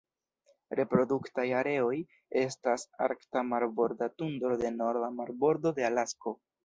Reproduktaj areoj estas Arkta marborda tundro de norda marbordo de Alasko.